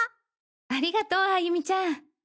ありがとう歩美ちゃん。